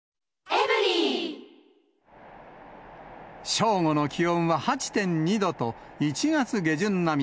正午の気温は８．２度と、１月下旬並み。